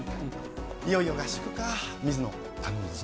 いよいよ合宿か水野頼んだぞ